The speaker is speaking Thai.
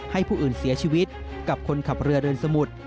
ให้ผู้อื่นเสียชีวิตกับคนขับเรือเดินสมุทร